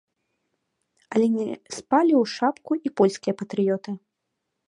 Але не спалі ў шапку і польскія патрыёты.